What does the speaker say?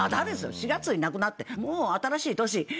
⁉４月に亡くなってもう新しい年。